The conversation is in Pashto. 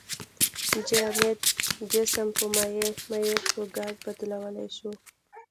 جامد جسم په مایع، مایع په ګاز بدلولی شو.